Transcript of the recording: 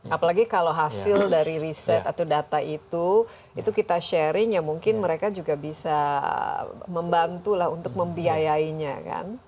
apalagi kalau hasil dari riset atau data itu itu kita sharing ya mungkin mereka juga bisa membantu lah untuk membiayainya kan